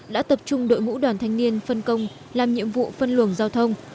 đã tập trung đội ngũ đoàn thanh niên phân công làm nhiệm vụ phân luồng giao thông